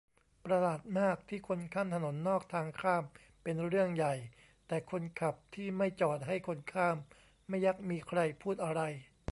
ประหลาดมากที่คนข้ามถนนนอกทางข้ามเป็นเรื่องใหญ่ แต่คนขับที่ไม่จอดให้คนข้าม ไม่ยักมีใครพูดอะไร